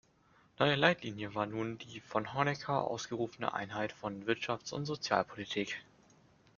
Neue Leitlinie war nun die von Honecker ausgerufene "Einheit von Wirtschafts- und Sozialpolitik".